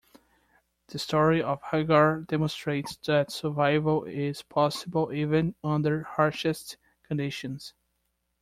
The story of Hagar demonstrates that survival is possible even under harshest conditions.